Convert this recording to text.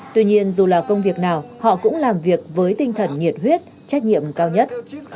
tuy nhiên dù là công việc nào họ cũng làm việc với tinh thần nhiệt huyết trách nhiệm cao nhất